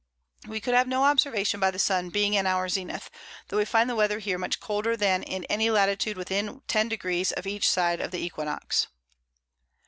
We could have no Observation by the Sun, being in our Zenith, tho' we find the Weather here much colder than in any Latitude within 10 Degrees of each side the Equinox.